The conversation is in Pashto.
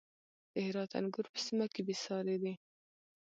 د هرات انګور په سیمه کې بې ساري دي.